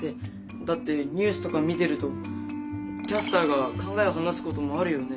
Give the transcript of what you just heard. だってニュースとか見てるとキャスターが考えを話すこともあるよね。